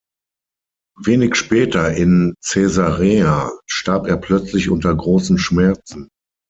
Wenig später in Caesarea starb er plötzlich unter großen Schmerzen.